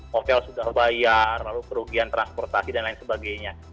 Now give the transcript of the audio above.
hotel sudah bayar lalu kerugian transportasi dan lain sebagainya